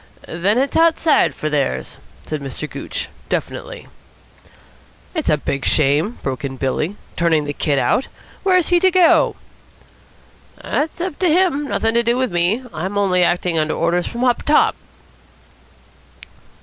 "Then it's outside for theirs," said Mr. Gooch definitely. "It's a big shame," broke in Billy, "turning the kid out. Where's he to go?" "That's up to him. Nothing to do with me. I'm only acting under orders from up top."